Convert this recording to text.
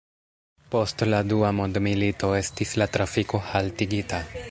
Post la Dua mondmilito estis la trafiko haltigita.